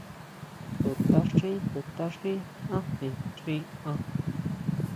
To tʼaxín, to tʼaxín ajen xi an.